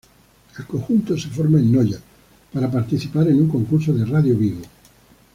El conjunto se formó en Noya, para participar en un concurso de Radio Vigo.